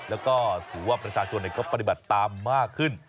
แล้วก็ถือว่าประชาชนก็ปฏิบัติตามมากขึ้น